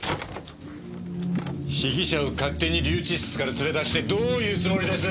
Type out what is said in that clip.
被疑者を勝手に留置室から連れ出してどういうつもりです？